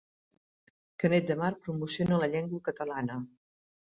Canet de Mar promociona la llengua catalana